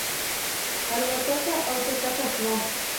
الوتکه اوچته شوه.